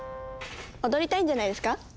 踊りたいんじゃないですか？